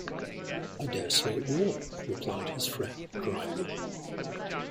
‘I dare say it will,’ replied his friend dryly.